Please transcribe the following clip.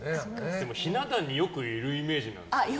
でも、ひな壇によくいるイメージなんですけど。